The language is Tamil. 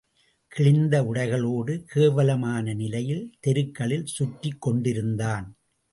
கிழிந்த உடைகளோடு, கேவலமான நிலையில் தெருக்களில் சுற்றிக் கொண்டிருந்தான்.